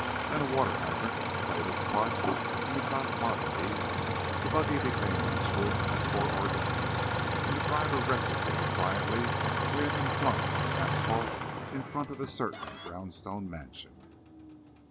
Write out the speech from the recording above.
Then a water hydrant played its part in the cosmogony, the buggy became matchwood as foreordained, and the driver rested very quietly where he had been flung on the asphalt in front of a certain brownstone mansion.